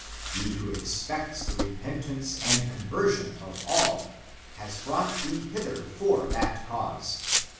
He who expects the repentance and conversion of all has brought thee hither for that cause.